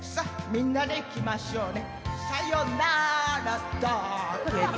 みんなでいきましょうね。